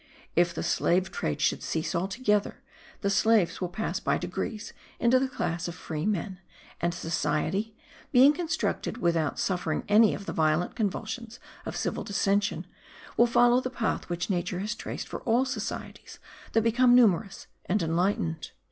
If the slave trade should cease altogether, the slaves will pass by degrees into the class of free men; and society, being reconstructed, without suffering any of the violent convulsions of civil dissension, will follow the path which nature has traced for all societies that become numerous and enlightened.